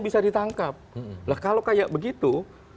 bisa ditangkap lah kalau kayak begitu